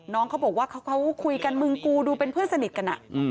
น้องเขาบอกว่ามึงกูดูเป็นเพื่อนสนิทกันน่ะ